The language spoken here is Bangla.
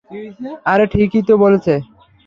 আরে, ঠিকই তো বলছে।